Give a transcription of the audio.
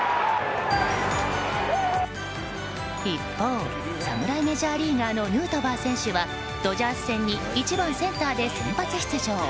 一方、侍メジャーリーガーのヌートバー選手はドジャース戦に１番センターで先発出場。